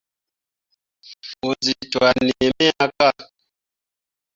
Mu zi cwah nii me ya ka.